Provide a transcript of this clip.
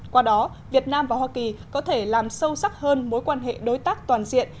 qua đó việt nam và hoa kỳ có thể làm sâu sắc hơn mối quan hệ đối tác toàn diện